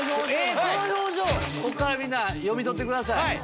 こっから読み取ってください。